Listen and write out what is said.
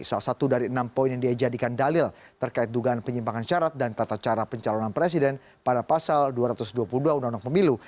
salah satu dari enam poin yang dia jadikan dalil terkait dugaan penyimpangan syarat dan tata cara pencalonan presiden pada pasal dua ratus dua puluh dua undang undang pemilu